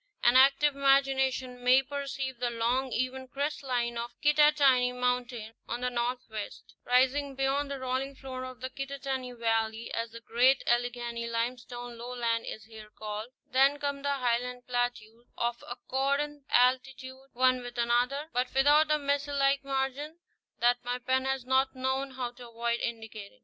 An active imagin ation may perceive the long even crest line of Kittatinny Mountain on the northwest, rising beyond the rolling floor of the Kittatinny Valley, as the great Alleghany limestone lowland is here called ; then come the Highland plateaus, of accordant altitude one with another, but without the mesa like margin that my pen has not known how to avoid indicating.